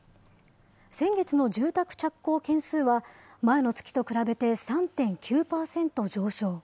先月の住宅着工件数は、前の月と比べて３．９％上昇。